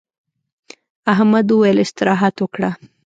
احمد وويل: استراحت وکړه.